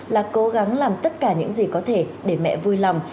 là cố gắng làm tất cả những gì có thể để mẹ vui lòng